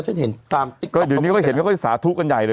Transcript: ก็เห็นเขาก็จะสาธุกันใหญ่เลย